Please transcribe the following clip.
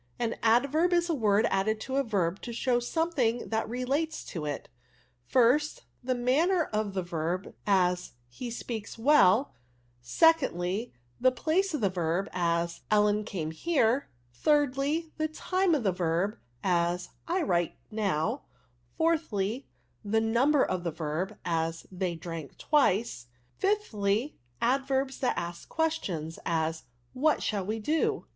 An adverb is a word added to a verb to show somethinj^ that rel ^*^■♦: 1st, TTi* r^.^u^er of th« ADVERBS. 85 verb ; as, ' he speaks welV Sdlji The place of the verb ; as, * Ellen came here J Sdlj, The time of the verb ; as, ' I write now! 4thl7i The nimiber of the verb ; as, ' They drank twice! Sthlyi Adverbs that ask questions; as, * What shall we do?'